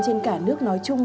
trên cả nước nói chung